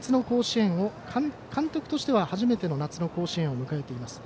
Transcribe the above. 監督としては初めての夏の甲子園を迎えています。